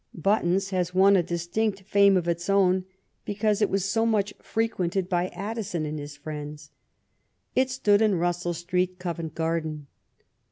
Button's has won a dis tinct fame of its own because it was so much frequented 191 THE REIGN OF QUEEN ANNE by Addison and his friends. It stood in Russell Street, Covent Garden.